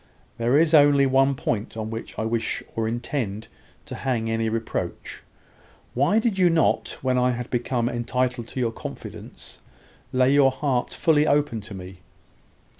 There is only one point on which I wish or intend to hang any reproach. Why did you not, when I had become entitled to your confidence, lay your heart fully open to me?